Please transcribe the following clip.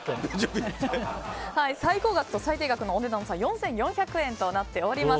最高額と最低額の値段差４４００円となっております。